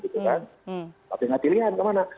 tapi gak dilihat kemana